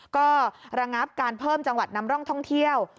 ก็ระงับการเพิ่มจังหวัดนำร่องท่องเที่ยว